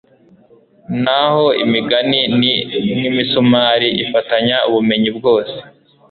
naho imigani ni nk'imisumari ifatanya ubumenyi bwose